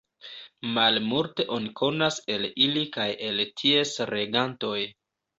Malmulte oni konas el ili kaj el ties regantoj.